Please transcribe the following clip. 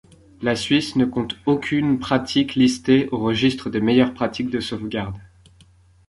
La Suisse ne compte aucune pratique listée au registre des meilleures pratiques de sauvegarde.